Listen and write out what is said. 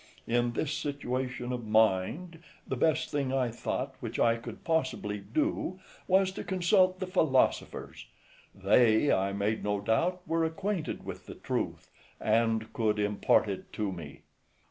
In this situation of mind, the best thing I thought which I could possibly do was to consult the philosophers; they, I made no doubt, were acquainted with the truth, and could impart it to me.